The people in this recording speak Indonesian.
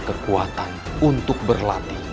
kekuatan untuk berlatih